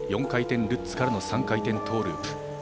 ４回転ルッツからの３回転トーループ。